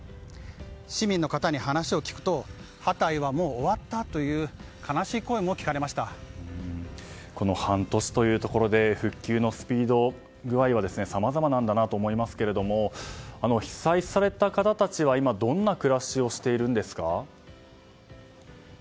市民の方に話を聞くとハタイはもう終わったというこの半年というところで復旧のスピード具合はさまざまなんだなと思いますが被災された方たちは今、どんな暮らしをしているんですか。